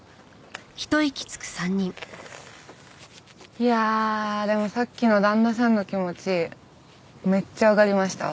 いやあでもさっきの旦那さんの気持ちめっちゃわかりましたわ。